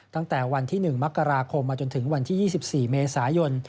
ตั้งแต่วันที่๑มกราคมมาจนถึงวันที่๒๔เมษายน